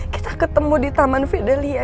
kita ketemu di taman fidelia